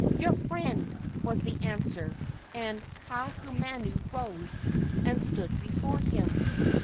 "Your friend," was the answer; and Kaahumanu rose and stood before him.